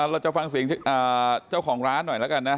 เราจะฟังเสียงเจ้าของร้านหน่อยแล้วกันนะ